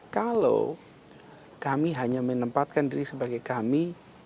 kalau kami hanya menempatkan diri sebagai kami